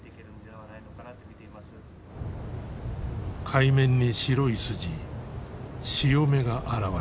海面に白い筋潮目が現れた。